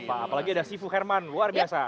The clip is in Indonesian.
apalagi ada sifu herman luar biasa